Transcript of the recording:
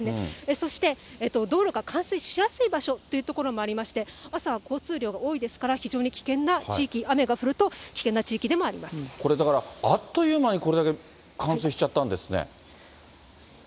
そして道路が冠水しやすい場所というところもありまして、朝は交通量が多いですから、非常に危険な地域、雨が降ると、あっという間に、これだけ冠水しちゃったんですね。